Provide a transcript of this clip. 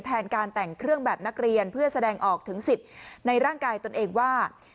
แทนการแต่งเครื่องแบบนักเรียนเพื่อแสดงออกถึงสิทธิ์ในร่างกายตนเองว่า